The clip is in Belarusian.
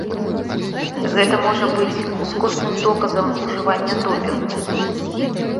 Гэта можа быць ускосным доказам ужывання допінгу.